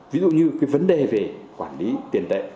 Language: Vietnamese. ví dụ như cái vấn đề về quản lý tiền tệ